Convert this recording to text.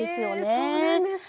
えそうなんですか。